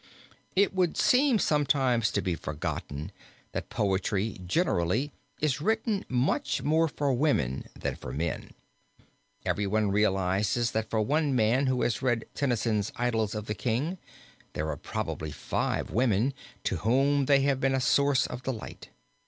It would seem sometimes to be forgotten that poetry generally is written much more for women than for men. Everyone realizes that for one man who has read Tennyson's "Idyls of the King" there are probably five women to whom they have been a source of delight.